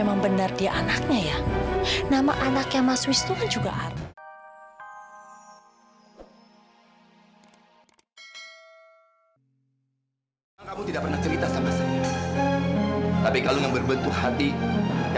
sampai jumpa di video selanjutnya